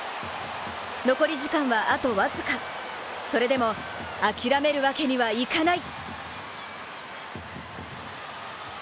残り時間はあと僅かそれでも諦めるわけにはいかない！